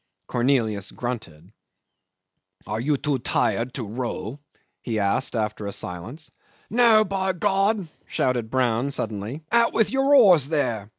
Cornelius grunted. "Are you too tired to row?" he asked after a silence. "No, by God!" shouted Brown suddenly. "Out with your oars there."